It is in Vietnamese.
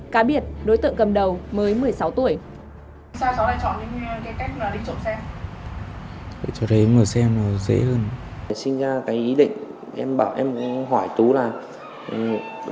cá biệt đối tượng cầm đầu mới một mươi sáu tuổi